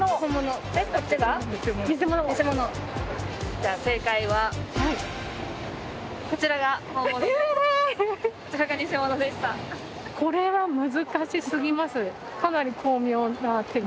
じゃあ、正解はこちらが本物です。